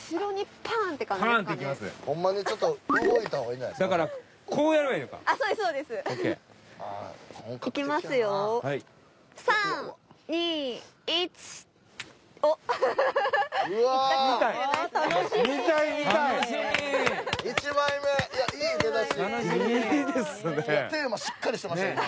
テーマしっかりしてました今。